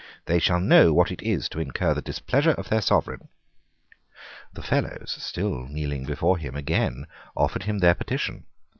They shall know what it is to incur the displeasure of their Sovereign." The Fellows, still kneeling before him, again offered him their petition.